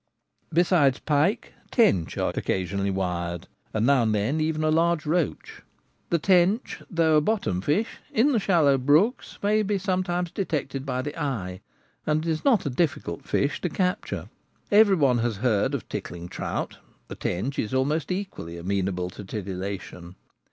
Besides pike, tench are occasionally wired, and now and then even a large roach ; the tench, though a bottom fish, in the shallow brooks may be sometimes detected by the eye, and is not a difficult fish to capture. Every one has heard of tickling trout : the tench is almost equally amenable to titillation.